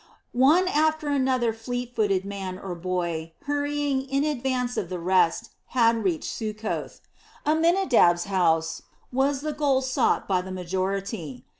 One after another fleet footed man or boy, hurrying in advance of the rest, had reached Succoth. Amminadab's house was the goal sought by the majority.